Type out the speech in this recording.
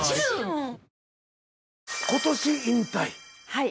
はい。